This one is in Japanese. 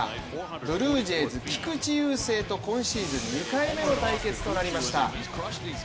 ブルージェイズ・菊池雄星と今シーズン２回目の対決となりました。